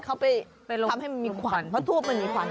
เขาไปทำให้มันมีขวัญเพราะทูปมันมีขวัญ